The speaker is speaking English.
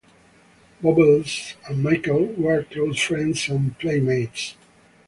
Bubbles and Michael were close friends and playmates.